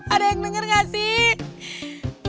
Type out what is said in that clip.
ada yang denger gak sih